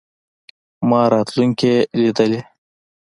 ما راتلونکې لیدلې.